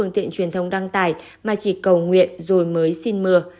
công tiện truyền thông đăng tải mà chỉ cầu nguyện rồi mới xin mưa